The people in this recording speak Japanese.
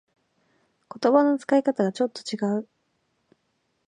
言葉の使い方がちょっと違う